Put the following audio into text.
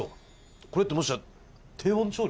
これってもしや低温調理？